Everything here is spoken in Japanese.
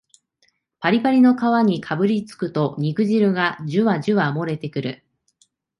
パリパリの皮にかぶりつくと肉汁がジュワジュワもれてくる